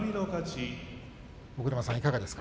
尾車さんいかがですか？